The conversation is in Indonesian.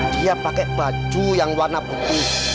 dia pakai baju yang warna putih